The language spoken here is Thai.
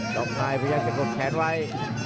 กล่องนายพยายามจะกดแขนไว้